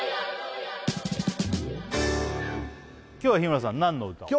今日は日村さん何の歌を？